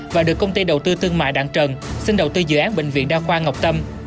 và được công ty đầu tư thương mại đạn trần xin đầu tư dự án bệnh viện đa khoa ngọc tâm